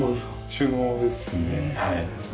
収納ですねはい。